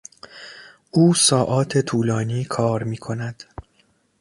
او ساعات طولانی کار میکند.